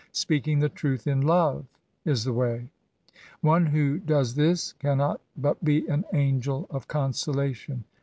" Speaking the truth in love," is the way. One who does this cannot but be an angel of consolation.